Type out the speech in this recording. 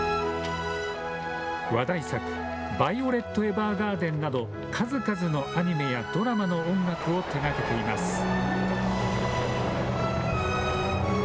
話題作、ヴァイオレット・エヴァーガーデンなど数々のアニメやドラマの音楽を手がけています。